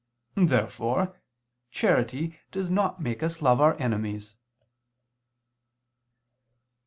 Therefore charity does not make us love our enemies.